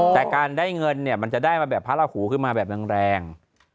แต่การได้เงินเนี่ยมันจะได้มาแบบภาระหูคือมาแบบรัง